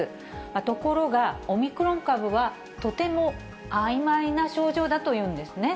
ところがオミクロン株は、とてもあいまいな症状だというんですね。